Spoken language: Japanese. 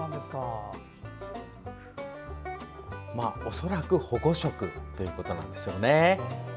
恐らく保護色ってことなんでしょうね。